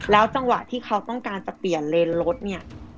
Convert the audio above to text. แล้วจังหวะที่เขาก็ควรเปลี่ยนเล็นรถเนี่ย